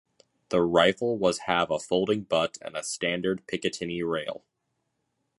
The rifle was have a folding butt and a standard Picatinny rail.